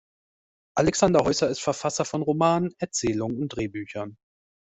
Alexander Häusser ist Verfasser von Romanen, Erzählungen und Drehbüchern.